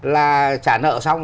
là trả nợ xong